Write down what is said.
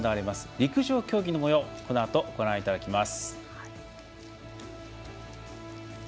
陸上競技のもようをこのあとご覧いただきます。